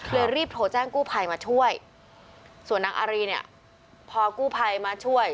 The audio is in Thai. รีบโทรแจ้งกู้ภัยมาช่วยส่วนนางอารีเนี่ยพอกู้ภัยมาช่วย